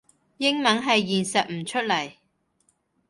英文係實現唔出嚟